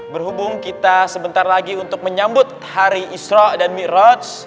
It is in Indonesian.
berhubung kita sebentar lagi untuk menyambut hari isra' dan mi'raj